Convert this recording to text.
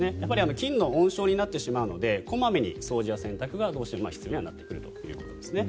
菌の温床になってしまうので小まめな掃除や洗濯は必要になってくるということです。